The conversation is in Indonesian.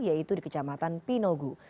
yaitu di kecamatan pinogu